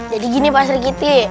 jadi gini pak sergiti